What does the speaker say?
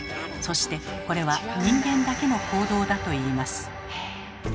そしてこれは人間だけの行動だといいます。